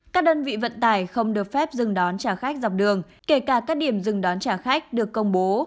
các đơn vị vận tải không được phép dừng đón trả khách dọc đường kể cả các điểm dừng đón trả khách được công bố